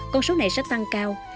con số này sẽ tăng cao